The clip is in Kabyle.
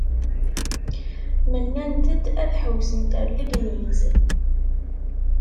Mennant-d ad ḥewwsent ar Legniz.